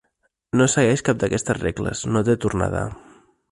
No segueix cap d'aquestes regles, no té tornada.